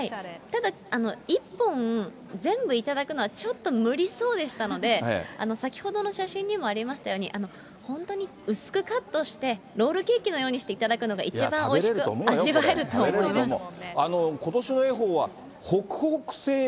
ただ１本全部頂くのはちょっと無理そうでしたので、先ほどの写真にもありましたように、本当に薄くカットして、ロールケーキのようにして頂くのが一番おいしく味わえると思いま食べれると思うよ、これ。